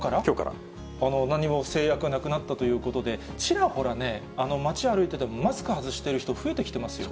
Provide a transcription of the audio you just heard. なんにも制約がなくなったということで、ちらほらね、街を歩いてても、マスク外している人、増えてきてますよ。